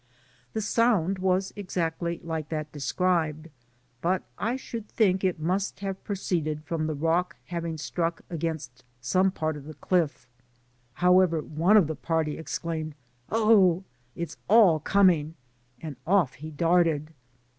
The sound was exactly like that described, but I should think it must have proceeded from the rock having struck against some part of the cliff; however one of the party exclaimed *^ Oh ! it is all coming !^ and off he darted.